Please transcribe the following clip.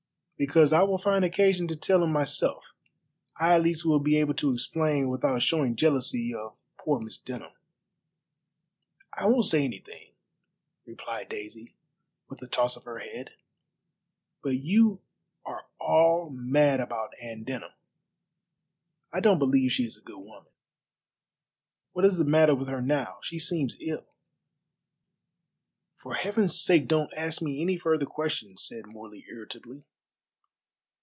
"Because I will find occasion to tell him myself. I at least will be able to explain without showing jealousy of poor Miss Denham." "I won't say anything," replied Daisy, with a toss of her head, "but you are all mad about Anne Denham. I don't believe she is a good woman. What is the matter with her now? She seems ill." "For Heaven's sake don't ask me any further questions," said Morley irritably.